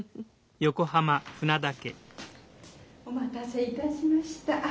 お待たせいたしました。